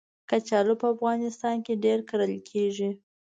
کچالو په افغانستان کې ډېر کرل کېږي